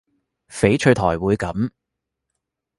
翡翠台會噉